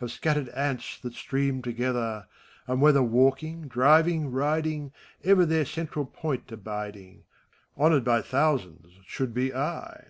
Of scattered ants that stream together: And whether walking^ driving, riding, Ever their central point abiding. Honored by thousands, should be I.